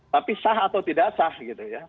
tapi sah atau tidak sah gitu ya